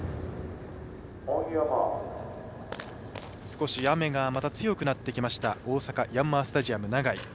少し雨がまた強くなってきました大阪ヤンマースタジアム長居。